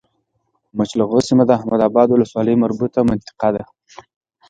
مچلغو سيمه د احمداباد ولسوالی مربوطه منطقه ده